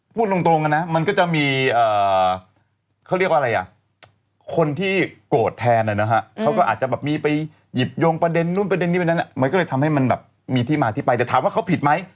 ผมขอให้กษัตริย์ทอธอธอธจับคุณม้าไปนะครับ